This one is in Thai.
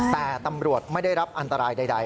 แต่ตำรวจไม่ได้รับอันตรายใด